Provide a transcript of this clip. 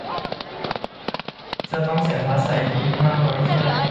แต่จะเสียภาษีมากน้อยแค่ไหนนั้น